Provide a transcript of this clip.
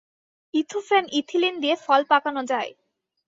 Ethephon ethylene দিয়ে ফল পাকানো যায়।